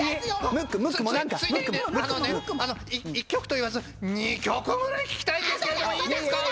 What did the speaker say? ついでに１曲と言わず２曲ぐらい聴きたいんですけどいいですか？